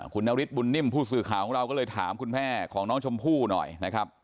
คุณนฤทธบุญนิ่มผู้สื่อข่าวของเราก็เลยถามคุณแม่ของน้องชมพู่หน่อยนะครับ